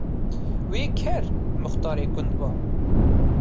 Wê ker muxtarê gund ba